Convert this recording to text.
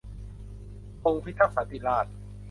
ธงพิทักษ์สันติราษฎร์